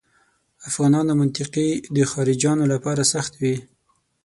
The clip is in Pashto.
افغانانو منطقې د خارجیانو لپاره سختې وې.